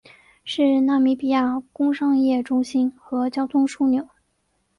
是纳米比亚工商业中心和交通枢纽。